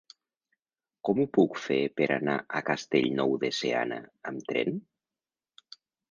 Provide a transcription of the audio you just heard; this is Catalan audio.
Com ho puc fer per anar a Castellnou de Seana amb tren?